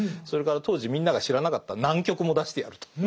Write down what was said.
それから当時みんなが知らなかった南極も出してやると。